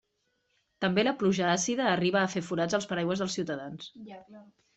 També la pluja àcida arriba a fer forats als paraigües dels ciutadans.